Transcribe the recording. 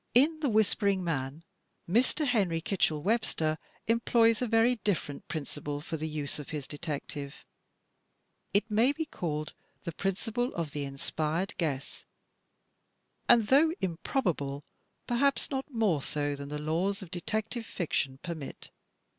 In "The Whispering Man" Mr. Henry Kitchell Webster employs a very different principle for the use of his detective. It may be called the principle of The Inspired Guess, and though improbable, perhaps not more so than the laws of detective fiction permit.